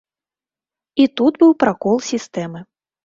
І тут быў пракол сістэмы.